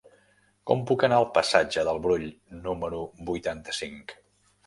Com puc anar al passatge del Brull número vuitanta-cinc?